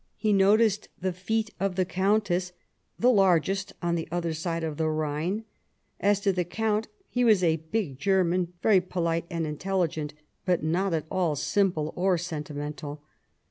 He noticed the feet of the Countess, " the largest on the other side of the Rhine "; as to the Count, he was "a big German, very polite and intelligent, but not at all simple or sentimental."